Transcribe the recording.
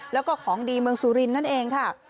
แล้วก็ของดีเมืองสุรินทร์นั่นเองค่ะ